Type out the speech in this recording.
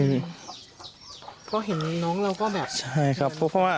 น้องเราเป็นรอปเค้าอาจมึงบ้านหน้า๓๖๐